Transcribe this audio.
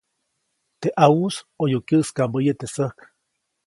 Teʼ ʼawuʼis ʼoyu kyäʼskaʼmbäʼäye teʼ säjk.